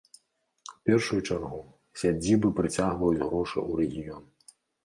У першую чаргу, сядзібы прыцягваюць грошы ў рэгіён.